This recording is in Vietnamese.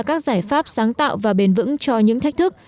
các giải pháp sáng tạo và bền vững cho những thách thức